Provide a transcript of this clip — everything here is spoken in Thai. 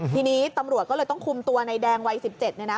ทีนี้ตำรวจก็เลยต้องคุมตัวในแดงวัย๑๗เนี่ยนะ